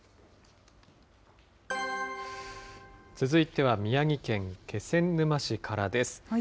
続いては宮城県気仙沼市からです。